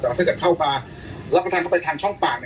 แต่ว่าถ้าเกิดเข้ามารับประทานเข้าไปทางช่องปาก